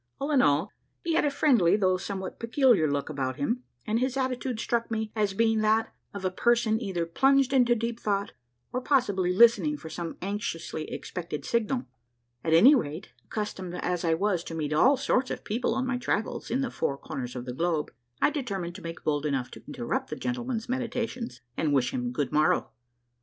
All in all, he had a friendly though somewhat peculiar look about him, and his attitude struck me as l)eing that of a person THROUGH THE REVOLVING DOOR. I A MARVELLOUS UNDERGROUND JOURNEY 221 either plunged into deep thought, or possibly listening for some anxiously expected signal. At any rate, accustomed as I was to meet all sorts of people on my travels in the four corners of the globe, I determined to make bold enough to interrupt the gentleman's meditations and wish him good morrow.